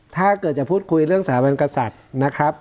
ถ้าเกิดจะพูดคุยเรื่องสถาบันกษัตริย์นะครับ